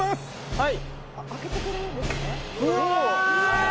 はい。